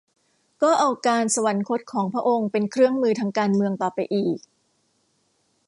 ก็เอาการสวรรคตของพระองค์เป็นเครื่องมือทางการเมืองต่อไปอีก